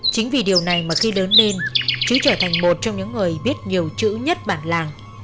chính vì điều này mà khi lớn lên chú trở thành một trong những người biết nhiều chữ nhất bản làng